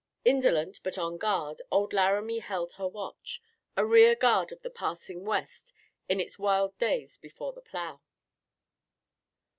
Indolent but on guard, Old Laramie held her watch, a rear guard of the passing West in its wild days before the plow.